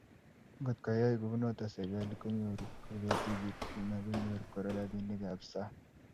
Ngotkoyai kounoto serkali konyoru kobotik kelchin akonyor Kora robinikab sang